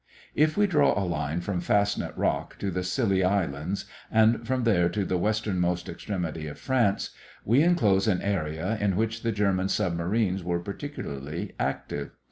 If we draw a line from Fastnet Rock to the Scilly Islands and from there to the westernmost extremity of France, we enclose an area in which the German submarines were particularly active.